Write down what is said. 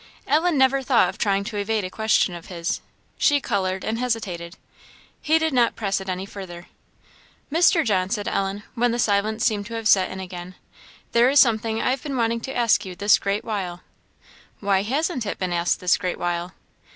Ellen never thought of trying to evade a question of his. She coloured and hesitated. He did not press it any further. "Mr. John," said Ellen, when the silence seemed to have set in again "there is something I have been wanting to ask you this great while " "Why hasn't it been asked this great while?"